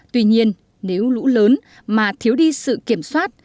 tuy nhiên nếu lũ lớn mà thiếu đi sự kiểm soát